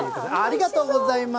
ありがとうございます。